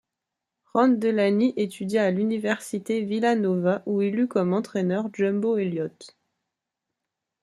Ron Delany étudia à l'Université Villanova où il eut comme entraîneur Jumbo Elliott.